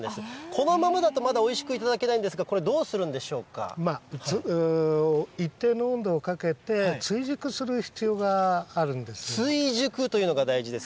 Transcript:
このままだとまだおいしく頂けないんですが、これどうするんでし一定の温度をかけて追熟する追熟というのが大事です。